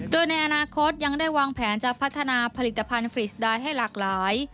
โดยในอนาคตยังได้วางแผนจะพัฒนาผลิตภัณฑ์ฟรีสไดให้หลากหลาย